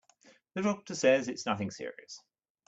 The doctor says it's nothing serious.